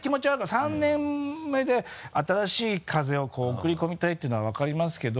３年目で新しい風を送り込みたいていうのは分かりますけど。